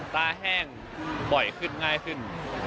ตาแห้งบ่อยขึ้นง่ายขึ้น